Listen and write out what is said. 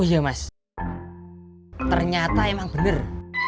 iya mas ternyata emang bener